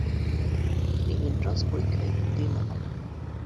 তিনি এন্ট্রান্স পরীক্ষায় উত্তীর্ণ হন।